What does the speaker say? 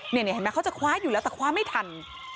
นี่เห็นไหมเขาจะคว้าอยู่แล้วแต่คว้าไม่ทัน